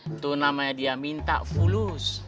itu namanya dia minta fulus